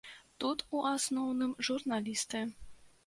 Тут, у асноўным журналісты.